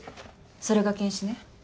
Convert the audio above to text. それが検視ね。